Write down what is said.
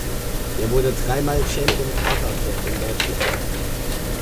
Er wurde dreimal Champion-Vaterpferd in Deutschland.